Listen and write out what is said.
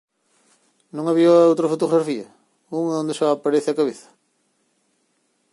Non había outra fotografía? Unha onde só aparece a cabeza?